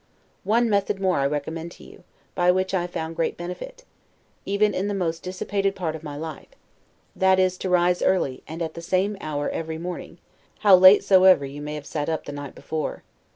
One method more I recommend to you, by which I have found great benefit, even in the most dissipated part of my life; that is, to rise early, and at the same hour every morning, how late soever you may have sat up the night before.